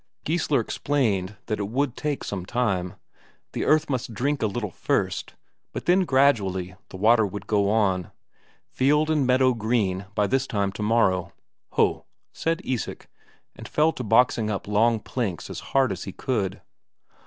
Geissler explained that it would take some time; the earth must drink a little first, but then gradually the water would go on "field and meadow green by this time tomorrow." "Ho!" said Isak, and fell to boxing up long planks as hard as he could.